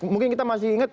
mungkin kita masih ingat